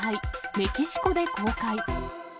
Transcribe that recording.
メキシコで公開。